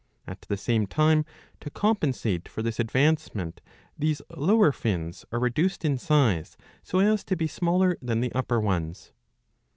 At the same time to compensate for this advancement these lower fins are reduced in size so as to be smaller than the upper ones.'